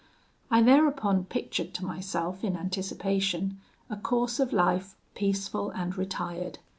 "I thereupon pictured to myself in anticipation a course of life peaceful and retired.